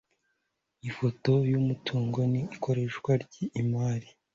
ifoto y'umutungo n'ikoreshwa ry'imari